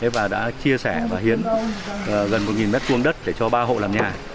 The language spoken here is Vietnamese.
và đã chia sẻ và hiến gần một m hai đất để cho ba hộ làm nhà